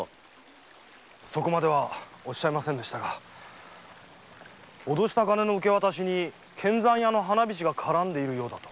そこまでは言いませんでしたが脅した金の受け渡しに献残屋花菱が絡んでいるようだと。